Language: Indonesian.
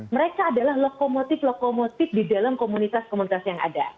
mereka adalah lokomotif lokomotif di dalam komunitas komunitas yang ada